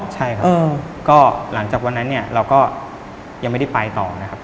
ใช่ครับก็หลังจากวันนั้นเนี่ยเราก็ยังไม่ได้ไปต่อนะครับ